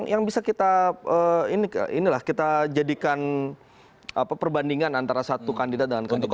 yang bisa kita jadikan perbandingan antara satu kandidat dan kandidat